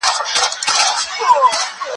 زه پرون ليکنې کوم.